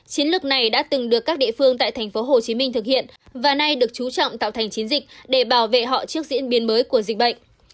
chiến lược này đã từng được các địa phương tại tp hcm thực hiện và nay được chú trọng tạo thành chiến dịch để bảo vệ họ trước diễn biến mới của dịch bệnh